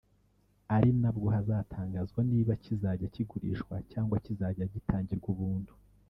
ari nabwo hazatangazwa niba kizajya kigurishwa cyangwa kizajya gitangirwa ubuntu